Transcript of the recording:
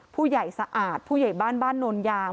ผู้ใหญ่สะอาดผู้ใหญ่บ้านบ้านนอนยาง